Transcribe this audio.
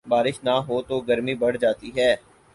بارش نہ ہوتو گرمی بڑھ جاتی ہے۔